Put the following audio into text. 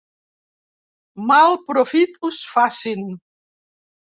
Mal profit us facin.